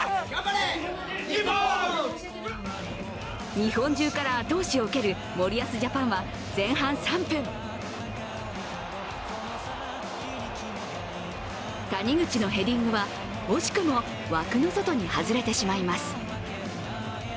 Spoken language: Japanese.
日本中から後押しを受ける森保ジャパンは前半３分谷口のヘディングは惜しくも枠の外に外れてしまいます。